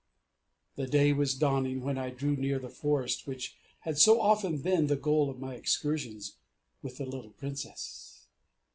The day was dawning when I drew near the forest which had so often been the goal of my excursions with the little Princess.